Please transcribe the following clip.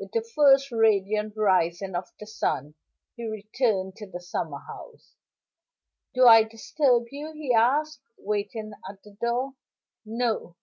With the first radiant rising of the sun he returned to the summer house. "Do I disturb you?" he asked, waiting at the door. "No."